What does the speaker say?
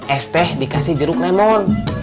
es teh dikasih jeruk nemon